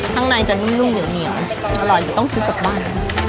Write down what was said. ข้างในจะนุ่มนุ่มเหนียวเหนียวอร่อยจะต้องซื้อกับบ้าน